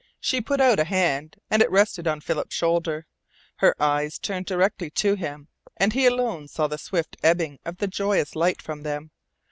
She put out a hand, and it rested on Philip's shoulder. Her eyes turned directly to him, and he alone saw the swift ebbing of the joyous light from them.